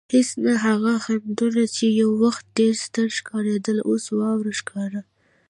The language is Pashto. هېڅ نه، هغه خنډونه چې یو وخت ډېر ستر ښکارېدل اوس واړه ښکاري.